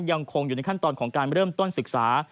ยังคงอยู่ในขั้นตอนของการเริ่มต้นศึกษา